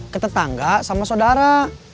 ke tetangga sama sodara